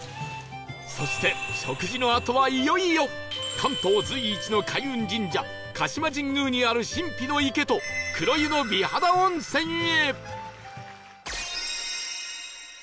そして食事のあとはいよいよ関東随一の開運神社鹿島神宮にある神秘の池と黒湯の美肌温泉へ